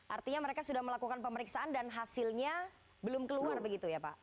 artinya mereka sudah melakukan pemeriksaan dan hasilnya belum keluar begitu ya pak